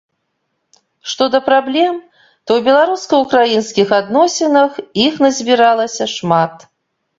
Што да праблем, то ў беларуска-украінскіх адносінах, іх назбіралася шмат.